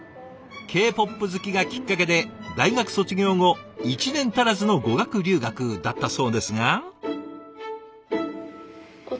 Ｋ−ＰＯＰ好きがきっかけで大学卒業後１年足らずの語学留学だったそうですが。